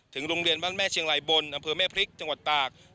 ถึงโรงเรียนแวช่งรายบนอำเภอเมภิกจตาก